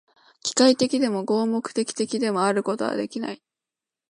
機械的でも、合目的的でもあることはできない。